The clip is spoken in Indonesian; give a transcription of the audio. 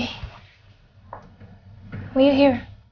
kamu di sini